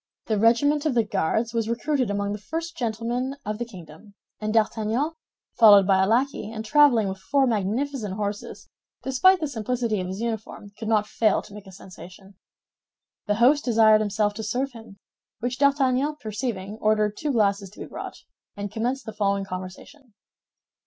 The regiment of the Guards was recruited among the first gentlemen of the kingdom; and D'Artagnan, followed by a lackey, and traveling with four magnificent horses, despite the simplicity of his uniform, could not fail to make a sensation. The host desired himself to serve him; which D'Artagnan perceiving, ordered two glasses to be brought, and commenced the following conversation.